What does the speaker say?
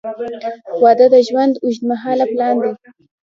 • واده د ژوند اوږدمهاله پلان دی.